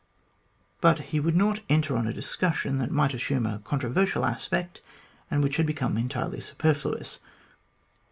But he would not enter on a discussion that might assume a controversial aspect, and which had become entirely superfluous.